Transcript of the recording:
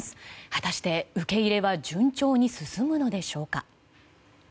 果たして受け入れは順調に進むのでしょうか。